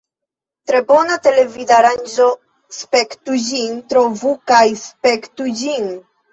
Tre bona televidaranĝo; spektu ĝin trovu kaj spektu ĝin!